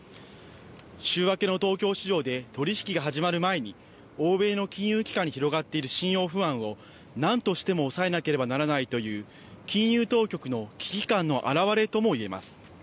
週明けの東京市場で取り引きが始まる前に欧米の金融機関に広がっている信用不安をなんとしても抑えなければならないという金融当局の危機感の表れとも言えます。